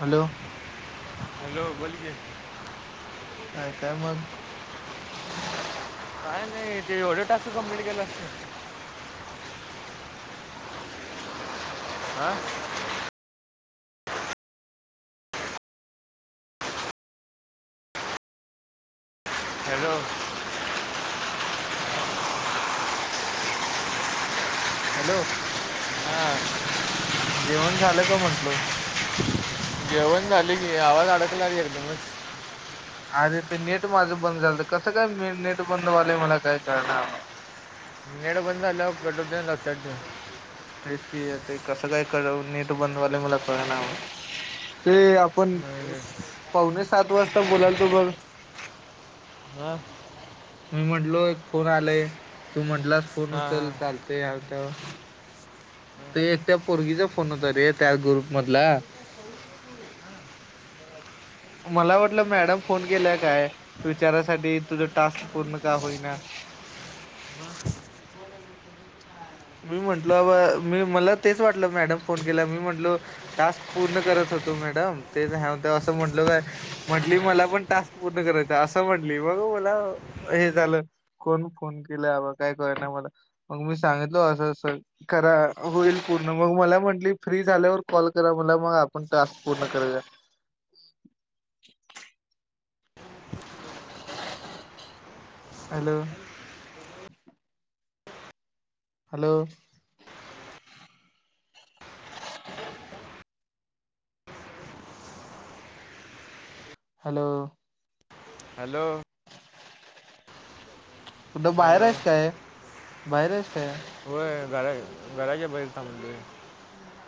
Hello hello, बोल की काय, काय मग? काय नाही, ते एवढे टास्क कमप्लीट केला असतं आ हॅलो हॅलो हां जेवण झालं का म्हंटलो? जेवण झाले की, आवाज अडकलाय एकदमच अरे ते नेट माझं बंद झालं कसं काय नेट बंद वालंय मला काय कळणा? नेट बंद झाल्यावर कट होतोय लक्षात ठेव. तेच की, आता ते कसं काय कराव, नेट बंदव्हाले मला कळना बघ ते आपण हां पावणे सात वाजता बोलायचो बघ हा मी म्हंटलो, एक फोन आलाय, तू म्हटलास फोन हां उचल, चालतोय त्यावर ते एक, त्या पोरगीचा फोन होता रे, त्या ग्रुप मधला मला वाटलं, मॅडम फोन केला काय, विचारासाठी तुझं टास्क, पूर्ण का होईना? मी म्हटलो, अ मी मला तेच वाटलं, मॅडम फोन केला मी म्हटलो टास्क पूर्ण करायच. म्हटलं, मॅडम ते ध्यान होत, असं म्हटलं, काय म्हटली मला पण टास्क पूर्ण करायच, असं म्हटली म मला हे झालं कोण फोन केला काय कर ना मला मग मी सांग ल असं असं करा होईल पूर्ण मग मला म्हटली फ्री झाल्यावर कॉल करा मला मग आपण टास्क पूर्ण करूया हॅलो! हॅलो! [unintelligible] हॅलो! हॅलो! कुठ बाहेर हॅलो आहेच काय बाहेर आहेच काय? होय घरा घराचे बाहेर थांबलोय.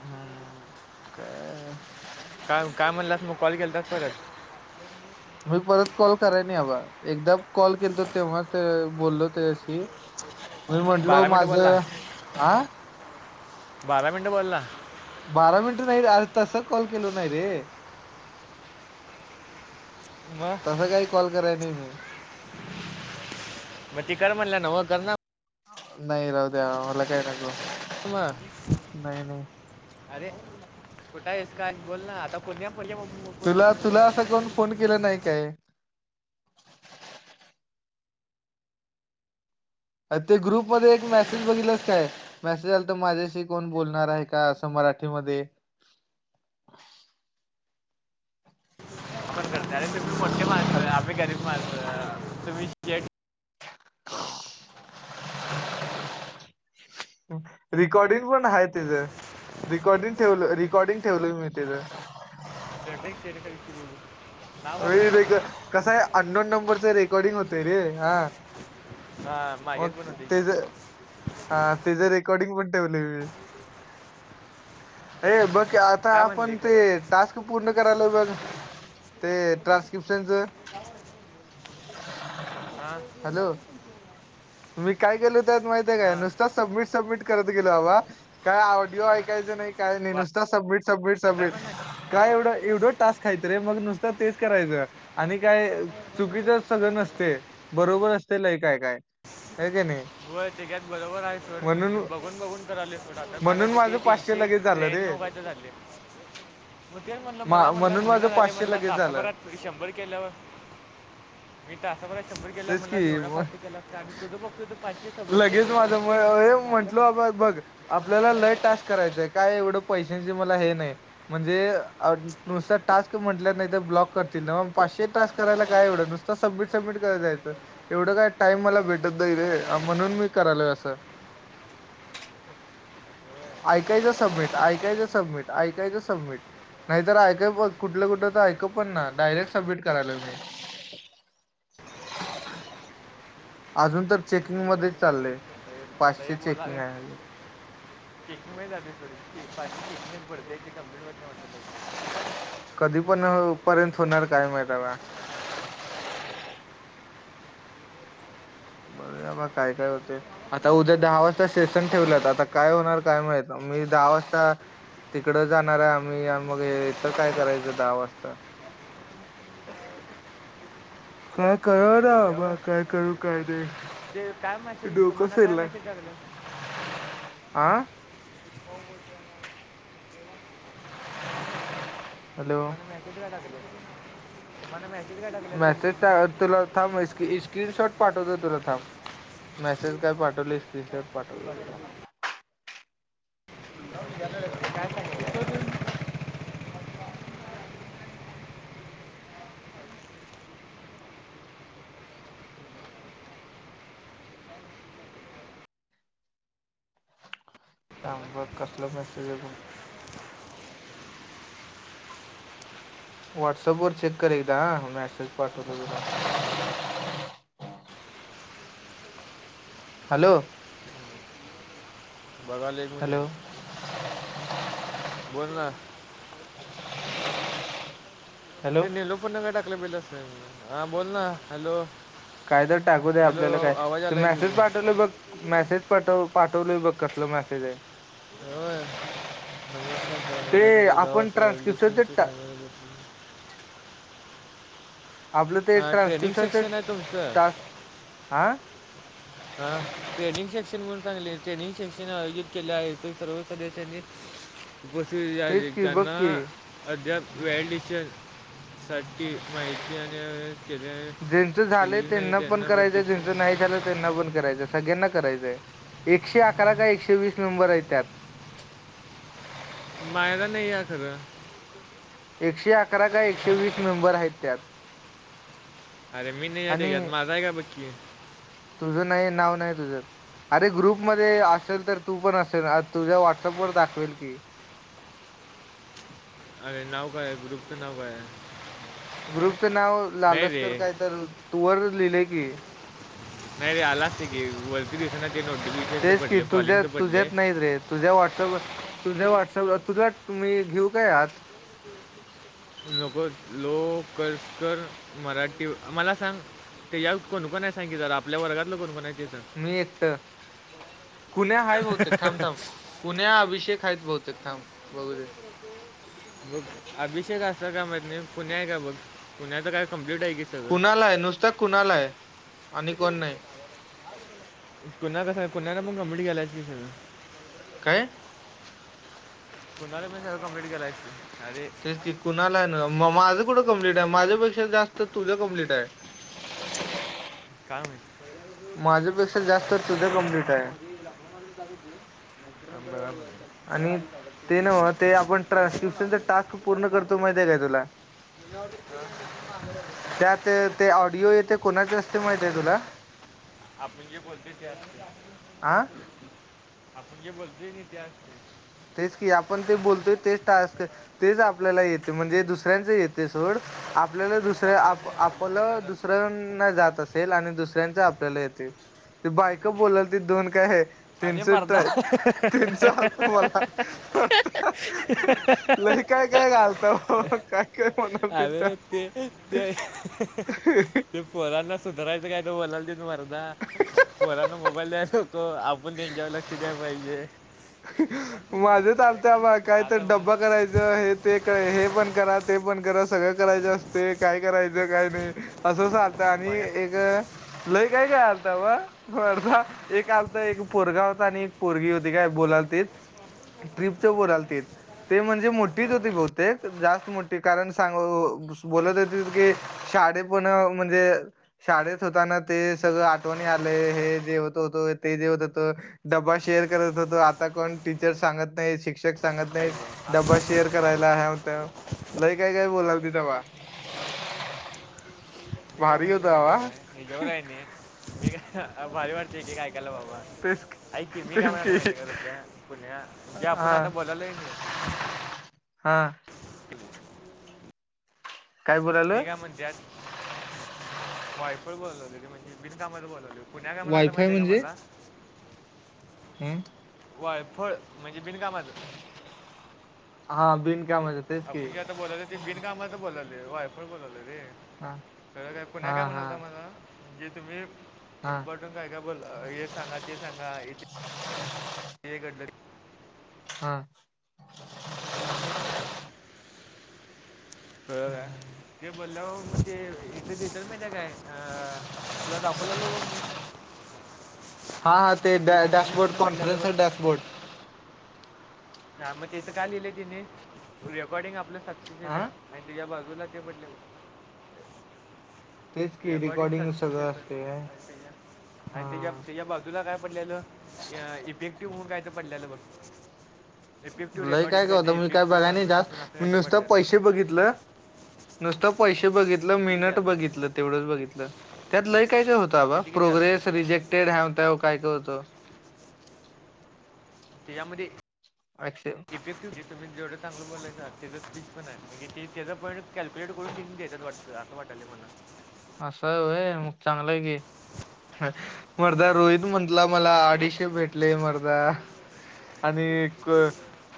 हम् का काय काय म्हणलंस मग कॉल केलतास परत. मी परत कॉल कराय नाही बाबा एकदा कॉल केल तर तेव्हा ते बोललो तेशी. मी म्हंटलो बारा मिनटं बोलला माझं हा. बारा मिनट बोलला. बारा मिनिट नाही आर तस कॉल केल नाही रे. तस मग काही कॉल कराय नाही मी. मग ती कर म्हतल्या नव करणा नाही राहू द्या मला काय नको मग नाही नाही. अरे कुठं आहेस का बोल ना आता पुण तुला तुला असा कोण फोन केला नाही काय? ते ग्रुप मध्ये एक मेसेज बघितलाच काय मेसेज आल तर माझ्याशी कोण बोलणार आहे का अस म मराठीमध्ये. करणार तुम्ही मोठी माणसं हॅलो आम्ही गरीब माणसं तुमही ज [unintelligible] रेिकॉर्डिंग पण आहे त्याच. रिकॉर्डिंग ठेवल रिकॉर्डिंग ठेवलं मी तीच. [inaudible] नाव व का रेक म्हणलं कस आहे अन्डोन नंबरच रेकॉर्डिंग होतय रे हा. हा मागे पण होते ते की ज हा ते जर एक रेकॉर्डिंग पण ठेवलय मी ए बस ते आता काय म्हणले आपण ते खरं टास्क पूर्ण करायलोय बघ ते ट्रानस्क्रिप्शन च हा. मी काय केलोय त्यात माहितीय काय हा नुसता, सबमिट सबमिट करत गेलोय बाबा काय ऑडिओ ऐकायचं नाही काय नाही नुसता सबमिट सबमिट वाचताय सबमिट पण नाही काय एवढं एवढं टास्क हाईत रे, मग नुसतं तेच करायचं आणि काय चुकीचंच सगळं नसतय बरोबर असतय, लई काय काय व्हय कणी होय तेच्यात बरोबर हाय सोड, बघून बघून तर आले सोड, आता माझ म्हणून किती माझं पाचशे तीनशे लगेच झालं रे त्र्याणव आस लागलय, म तेच म्हणल मा मला म्हणलास म्हणून माझं व्हईना झालय. पाचशे म्हणला लगेच झालं तासाभरात शंभर केल्यावर मी तासाबरात शंभर केला तेच की म्हणलास एवढा फास्ट केलास आणि तुझ बघतोय तर पाचशे लगेच समजून माझ्यामुळ ओके ए मॅम झालं म्हंटलो बाबा बघ आपल्याला लई टाईम करायचय काय एवढं पैशाचे मला हे नाही, म्हणजे अ नुसता टास्क म्हटल्यात नाहीतर ब्लॉक करतील, नव्ह पाचशे टास्क करायला काय एवढं, नुसत सबमीट सबमीट करत जायचं एवढं काय टाईप मला भेटत नाही रे म्हणून मी करालोय असं ऐकायचं सबमिट, ऐकायचं सबमिट, ऐकायचं सबमिट नाहीतर ऐकय प कुठलं कुठ तर ऐकू पण ना, डायरेक्ट सबमिट करायलोय मी [inaudible] अजून तर चेकिंग मध्ये चाललंय, आता हे पाचशे चेकिंग हाय अजून कमी झालय थोडीशी पाचशे चेकिंगच पडतय ते कंप्लीट होत नाही वाटतं लवकर कधी पण पर्यंत होणार काय माहित हाय बघुया बा काय काय होतय? आता उद्या दहा वाजता सेशन ठेवलंत आता काय होणार काय माहीत? मी दहा वाजता तिकड जाणार आहे आम्ही मग इथं काय करायचं दहा वाजता? काय कधी कळणा बाबा उद्यावर काय करू काय? ते काय मॅसेज डोकं तुम्हाला काय फिरलंय मॅसेज टाकलं आ. कोण बोलतय मला [unintelligible] हॅलो तुम्हाला मॅसेज काय टाकलाय तुम्हाला मॅसेज? काय टाकलं ते मॅसेज टा ग्रुपला तुला थांब इस क्की इस स्क्रीनशॉट पाठवतो तुला थांब मॅसेज काय पाठवली स्क्रीनशॉट पाठवतो तुला हे काय सांगितलं थांब बघ कसला मॅसेज आहे बघ. व्हॉट्सअप वर चेक कर एकदा हा मॅसेज पाठवलोय तुला हॅलो. बघालोय एक हॅलो मिनट बोलना. हॅलो ते नेलोफर न काय टाकलंय बघितलास काय? हा बोलना हॅलो. काय तर टाकू दे हॅलो आपल्याला काय? आवाज तो आला की मॅसेज बोल पाठवलोय बघ मॅसेज पाठव. पाठवलोय बघ कसलं मॅसेज हाय ते व्हय. नमस्कार सर ते उद्या सकाळी दहा आपण वाजता व्हॅलीडेटर्स ची ट्रान्स्क्रिप्शनच मीटिंग आपलं ते सेक्शन ट्रान्स्क्रिप्शनच आहे तुमचं टास्क हा. हा ट्रेनिंग सेक्शन म्हणून सांगितलय ट्रेनिंग सेक्शन आयोजित केलं आहे सर्व सदस्यांनी [inaudible] उपस्थित तेच झाली की बघ त्यांना की अद्याप व्हॅलिडेशन साठी माहिती आणि अ अ जेंच झालंय त्यांना पण करायचं आणि जेंच नाही प्रत्यक्षात झालंय त्यांना पण करायच सगळ्यांना करायचंय एकशे अकरा काय एकशे वीस नंबर हायत त्यात [inaudible] मायर नाही यासगळ एकशे अकरा का एकशे वीस मेंबर आहेत त्यात अरे मी नाही याते घ आणि माझाय का बक्की तुझं नाही नाव नाही तुझं अरे ग्रुप मध्ये असेल तर तू पण असेल तुझ्या व्हॉट्सअपवर दाखवेल की [unintelligible] अरे नाव काय आहे ग्रुपचं नाव काय आहे ग्रुपचं नाव नाही लालशकर रे काय तर तूवर लिहिले की नाहीरी आला ते वरती दिस ना ते नोटिफिकेशन तर तेच की पडलय कॉलिंग तुझ्या तर पडलय तुझ्यात नाहीत रे तुझ्या व्हॉटसअप तुझ्या मी घेऊ का आत नको लोकरसकर मराठी मला सांग ते या कोणकोण आहे सांग कि जरा आपल्या वर्गातलं कोणकोण आहे ते सांग मी एकट कुण्या हायभोवतेक थामथाम कुण्या अभिषेक खायच बहुतेक थांब बघू दे बघ अभिषेक असत का म्ह पुण्या का बघ पुण्याच काय कंनी कुणाल आहे नुसत कुणाल हाय आणि कोण नाय कुन्हा कस कुनला मग गंबडी गेलायच की सळ काय कुणाल मी स कंम्प्लीट केलाय तेच कि कुणाला आहे मग माज कुठं कंप्लीट आहे माझ्या पेक्षा जास्त तुझ कंप्लीट आहे काय माहीत [inaudible] माझ्या पेक्षा जास्त तुझ कमप्लीट आहे थांब बघा. आणि ते ना म ते आपण ट्रान्स्क्रिप्शनचा टास्क पूर्ण करतो माहिती आहे काय तुला? त्यात ते ऑडिओ येते कोणाचे असते [inaudible] माहिती तुला आपण जे बोलते ते अस आ आपण जे बोलतोय ते तेच की आपण ते बोलतोय तेच टास्क तेच आपल्याला येते म्हणजे दुसऱ्यांचे येते सोड आपल्याला दुसऱ्याच दुसर्या आपल्या ते आपल्या आपलं त्यांना जाते दुसऱ्यांना जात असेल आणि दुसऱ्यांच आपल्याला येते बायका बोलाल त दोन काय आहे अरे तीनशे मर्दा तर तीनशे आलत मला. ह ह ह लई काय काय घालता ओ, काय काय म्हणाल त त्या अरे ते ते ते पोरांना सुधारायचं काय तू म्हणला दिन म्हणना, पोरांना मोबाईल द्यायचा होतो आप् पण त्यांच्याकडे लक्ष द्यायला पाहिजे माझे चालतय ऐकाल पहा नाही. काय तर आता डब्बा मग करायचं हे ते, हे पण करा ते पण करा सगळं करायचं असते काय करायचं काय नाही असं आणि एक मागत लई काय काय आलता ब एक आता एक पोरगा होता आणि एक पोरगी होती काय बोलाल ट्रिपचा बोलू राहिले होते, ते म्हणजे मोठेच होते बहुतेक जास्् होते कारण सांग बोलत होते की शाळे पण म्हणजे शाळेत होताना ते सगळं आठवणी आले हे जेवत होत ते जवत होत डबा शेअर करत होतो आता कोण टीचर सांगत नाही शिक्षक सांगत नाही ऐक असं डबा असं शेअर बोलाल ना करायला ह्याव त्याव लई काय काय बोलात होत्या बा मी काय भारी होता म्हणाला माहिती आहे तवा काय मी जेवर आहे मी का भारी वाटतेे की काय केला बाबा तेच ऐक की, मी काय तेच म्हणालो की माहिती का रुप्या सोन्या जे आपण हा आता बोलायलो क नाही. हा. काय बोलालोय मी काय म्हणत्यात, वायफळ बोलत होते, ते म्हणजे बिलकामाच बोलायले. पुण्या काय म्हणाला होता माहिती का मला हम्म. वायफळ म्हणजे बिणकामाचं हा बिन आपण जे आता बोलाले ते बिनकामाचं बोलाले वायफळ बोलाले हा अरे [unintelligible] पुण्या हा काय म्हणाला हा होता मला की जे तुम्ही हा इम्पॉर्टंट काय काय बोलला हे सांगा, ते सांगा, हे घडलं हा. ते सांग कळलं हा काय. मी बोललो म्हणजे इथे भेटल महितीय काय, अ तुला दाखवलेलं बघ मी हा हा ते डॅ इथं शून्य डॅशबोर्ड शून्य पडलेलं बघ कॉन्फरन्सरच डॅशबोर्ड हा मग तेचं काय लिहिलंय तिने रेकॉर्डिंग आपलं सक्सेस हा येतय आणि तुझ बघ तुला ते म्हटले तेच की रेकॉर्डिंग सक्सेस सगळं येतो असते आणि त्याच्या हा त्याच्या बाजूला काय पडलेलं अह इफेक्टिव्ह होऊन काय तर पडलेलं बघ इफेक्टिव्ह लय रेकॉर्डिंग काय काय होत ते मी काय इफेक्टिव्ह बघाय नाही जास्त कॉन्व्हर्सेशन असं काय मी तर नुसत पैसे पडलेलं बघितलं नुसत पैसे बघितल किती किती मिनिट आलं बघितलं तेवढंच बघितलं, त्या लय काय काय होतं आबा किती किती आलं प्रोग्रेस रिजेक्टेड ह्याव त्याव काय काय होत. यामध्ये ऍक्सेप्ट [unintelligible] जेवढ चांगलं बोललंय ना त्याचं स्पीच पण आहे म्ह ते त्याचं पॉईंट कॅल्क्युलेट करून ते देतात वाटत अस वाटायलय मला असं आहे व्हय मग चांगलं आहे की मरदा रोहित म्हटला मला अडीशे भेटले मरदा आणि एक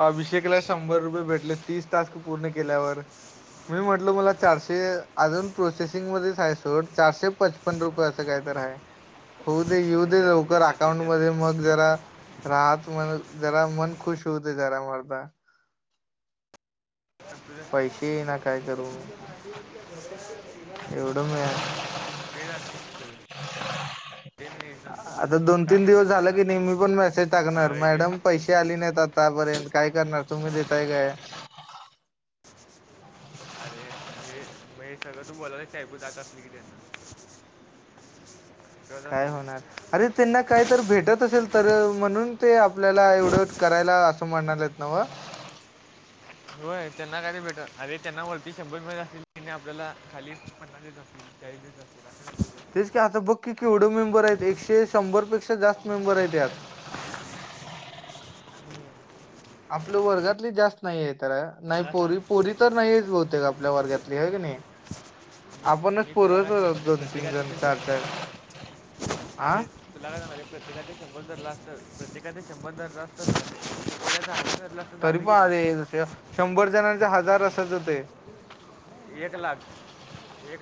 अभिषेकला शंभर रुपये भेटले तीस टास्क पूर्ण केल्यावर मी म्हटल मला चारशे अजून प्रोसेसिंग मध्येच आहे सोड चारशे पचपन्न रुपये असं काय तर आहे होऊ दे येऊ दे नाही, ये- लवकर येतात अकाउंट मध्ये येतात मग जरा राहत म जरा मन खुश होऊ ते जरा मर्दा पण तुझं पैसे येई ना काय करू मी एवढ नाय ते राहते की तुझं ते नाही येत नंतर आ ना. दोन काय तीन दिवस म्हणतात झालं त्याला की नाय मी पण मेसेज टाकणार अं, जे- मॅडम पैसे आले नाहीत आतापर्यंत काय करणार तुम्ही देताय काय? अरे हे हे [unintelligible] कळत काय होणार असते अरे त्यांना काही तर भेटत असेल तर म्हणून ते आपल्याला एवढं कराय ला असं म्हणालेत नवं व्हय. त्यांना काय तरी भेट अरे त्यांना वरती शंभर मिळत असतील आणि आपल्याला खाली पन्नास देत असतील चाळीस देत असतील असं [inaudible] नसतं. तेच का आता बघकी केवढं मेंबर आहेत एकशे शंभरपेक्षा जास्त मेंबर आहेत यात [inaudible] आपलं वर्गातली जास्त नाही आहे तर नाही मला सांग पोरी पोरी तर नाहीच बहुतेक मी आपल्या मी तु वर्गातली आहे का नाही नाहीये. मी- आपणच मी तुला पोरच काय आहोत सांगले दोन तीन प्रत्येकाचं जण ते चार शंभर पाच अरे तुला काय म्हणालो प्रत्येकाचे शंभर धरले असत प्रत्येक चे शंभर धरलेस तर [unintelligible] तरी पण अरे शंभर जणांचे हजार असायच ते एक लाख एक लाख